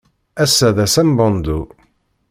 Ass-a d ass ambandu.